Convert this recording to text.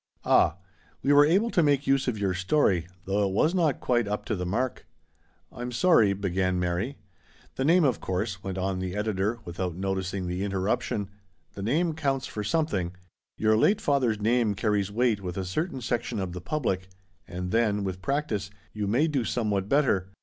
" Ah ! We were able to make use of your story, though it was not quite up to the mark." "Pm sorry " began Mary. IJST GRUB STREET. 135 " The name, of course," went on the editor, without noticing the interruption, " the name counts for something. Your late father's name carries weight with a certain section of the public. And then, with practice, you may do somewhat better.